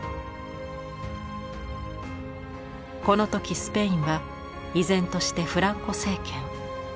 この時スペインは依然としてフランコ政権。